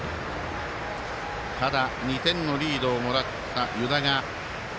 ただ、２点のリードをもらった湯田。